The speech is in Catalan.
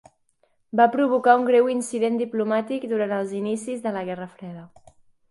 Va provocar un greu incident diplomàtic durant els inicis de la Guerra freda.